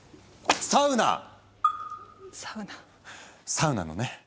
サウナのね